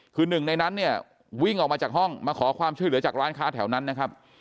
คือหนึ่งในนั้นเนี่ยวิ่งออกมาจากห้องมาขอความช่วยเหลือจากร้านค้าแถวนั้นนะครับ